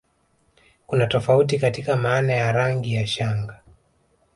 Kuna tofauti katika maana ya rangi ya shanga